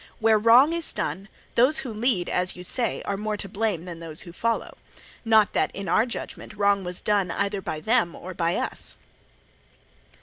Where wrong is done, those who lead, as you say, are more to blame than those who follow. Not that, in our judgment, wrong was done either by them or by us.